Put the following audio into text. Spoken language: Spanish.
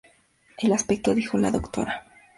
Al respecto dijo la Dra.